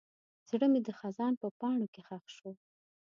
زړه مې د خزان په پاڼو کې ښخ شو.